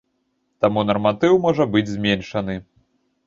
Таму нарматыў можа быць зменшаны.